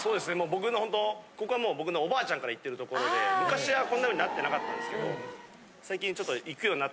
僕のホントここはもう僕のおばあちゃんから行ってるところで昔はこんな風になってなかったんですけど。